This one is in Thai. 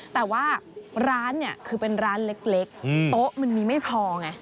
แต่ว่าร้านเนี่ยคือเป็นร้านเล็กโต๊ะมันมีไม่พอไง